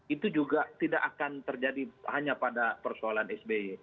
itu juga tidak akan terjadi hanya pada persoalan sby